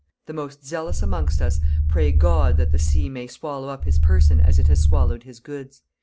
The most zealous amongst us pray God that the sea may swallow up his person as it has swallowed his goods.